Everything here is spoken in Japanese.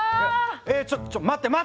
えちょちょっと待って待って！